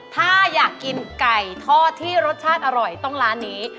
ถ้าอยากกินไก่ทอดที่รสชาติอร่อยต้องร้านนี้